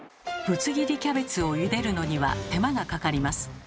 ぶつ切りキャベツをゆでるのには手間がかかります。